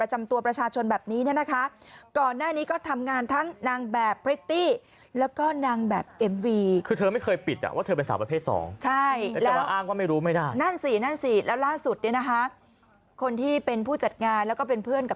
จริงค่าของคนอยู่ที่ผลของงานเนอะ